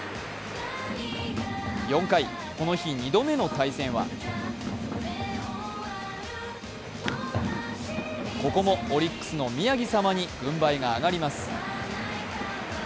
４回、この日２度目の対戦はここもオリックスの宮城様に軍配が上がります。